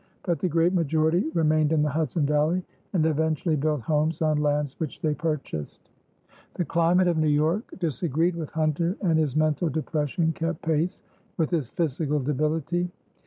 But the great majority remained in the Hudson valley and eventually built homes on lands which they purchased. The climate of New York disagreed with Hunter, and his mental depression kept pace with his physical debility.